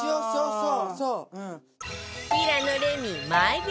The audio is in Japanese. そう。